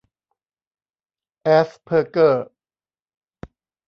แอสเพอร์เกอร์